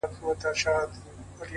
پر جبين باندې لښکري پيدا کيږي،